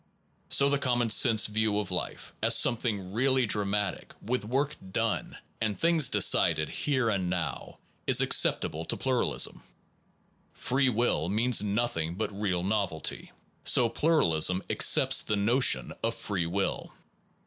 So the common sense view of life, as something really dramatic, with work done, and things decided here and now, is acceptable to pluralism. Free will means nothing but real novelty; so pluralism accepts the notion of free will.